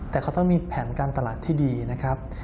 แต่เขาต้องมีแผนการตลาดที่ดีนะครับ